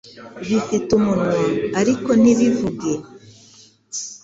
Bifite umunwa ariko ntibivuge